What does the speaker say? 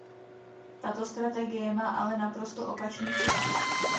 Tato strategie má ale naprosto opačný přístup.